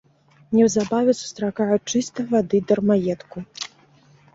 Неўзабаве сустракаю чыстай вады дармаедку!